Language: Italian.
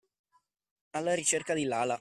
Alla ricerca di Lala.